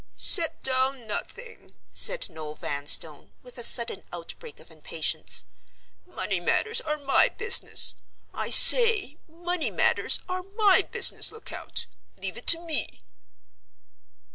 "Set down nothing," said Noel Vanstone, with a sudden outbreak of impatience. "Money matters are my business—I say money matters are my business, Lecount. Leave it to me."